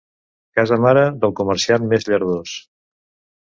Casa mare del comerciant més llardós.